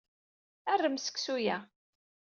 Arem seksu-a.